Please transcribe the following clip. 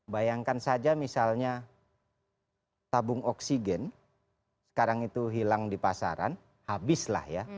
bayangkan saja misalnya tabung oksigen sekarang itu hilang di pasaran habislah ya